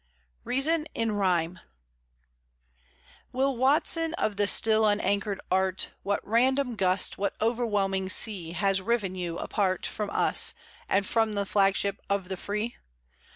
REASON IN RHYME Will Watson, of the still unanchored art; What random gust, what overwhelming sea Has riven you apart From us, and from the flagship of the free?